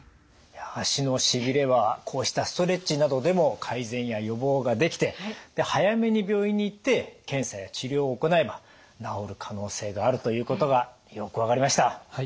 足のしびれはこうしたストレッチなどでも改善や予防ができて早めに病院に行って検査や治療を行えば治る可能性があるということがよく分かりました。